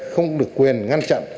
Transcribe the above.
không được quyền ngăn chặn